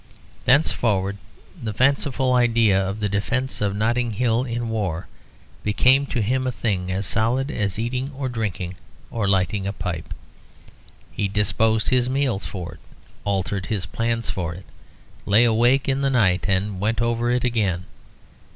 Thenceforward the fanciful idea of the defence of Notting Hill in war became to him a thing as solid as eating or drinking or lighting a pipe. He disposed his meals for it, altered his plans for it, lay awake in the night and went over it again.